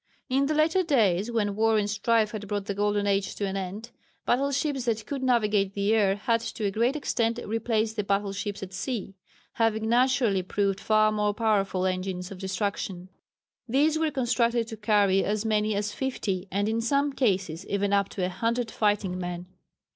In the later days when war and strife had brought the Golden Age to an end, battle ships that could navigate the air had to a great extent replaced the battle ships at sea having naturally proved far more powerful engines of destruction. These were constructed to carry as many as fifty, and in some cases even up to a hundred fighting men.